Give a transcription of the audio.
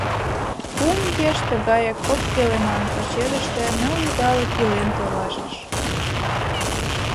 Кум еш тыгаяк кок пӧлеман пачерыште ныл идалык илен толашыш.